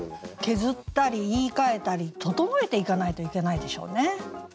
削ったり言いかえたり整えていかないといけないでしょうね。